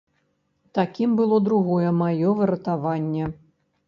Такім было другое маё выратаванне.